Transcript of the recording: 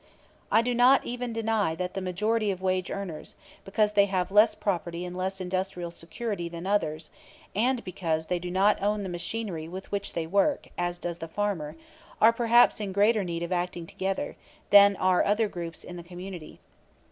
I do not even deny that the majority of wage earners, because they have less property and less industrial security than others and because they do not own the machinery with which they work (as does the farmer) are perhaps in greater need of acting together than are other groups in the community.